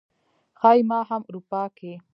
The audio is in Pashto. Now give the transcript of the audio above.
ښايي ما هم اروپا کې